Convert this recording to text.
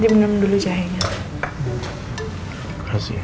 dia minum dulu jahenya